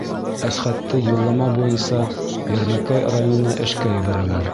Әсхәтте юллама буйынса Йәрмәкәй районына эшкә ебәрәләр.